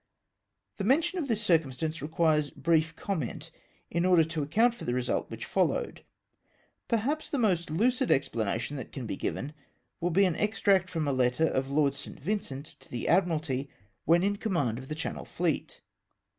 The mention of this circumstance requires brief com ment, in order to account for the result which followed. Perhaps the most lucid explanation that can be given will be an extract from a letter of Lord St. Vincent to the Admiralty when in command of the Channel fleet.